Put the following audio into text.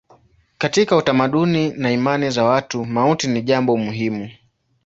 Katika utamaduni na imani za watu mauti ni jambo muhimu.